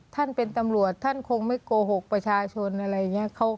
ท่านเป็นตำรวจท่านคงไม่โกหกประชาชนอะไรอย่างนี้